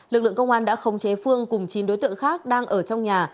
lực lượng công an đã khống chế phương cùng chín đối tượng khác đang ở trong nhà